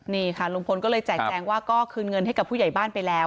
นี่ค่ะลุงพลก็เลยแจกแจงว่าก็คืนเงินให้กับผู้ใหญ่บ้านไปแล้ว